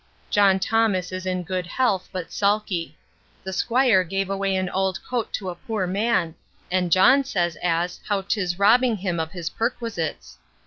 John Thomas is in good health, but sulky. The squire gave away an ould coat to a poor man; and John says as, how 'tis robbing him of his perquisites.